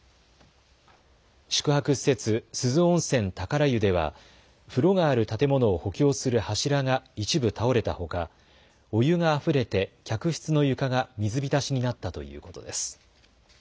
宿泊施設、珠洲温泉宝湯では風呂がある建物を補強する柱が一部倒れたほか、お湯があふれて客室の床が水浸しになったということです。